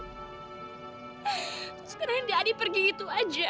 terus kenapa adi pergi gitu aja